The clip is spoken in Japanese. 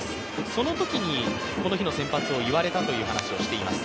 そのときにこの日の先発を言われたという話をしています。